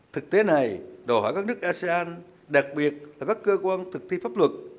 thực tế này đồ hỏa các nước asean đặc biệt là các cơ quan thực thi pháp luật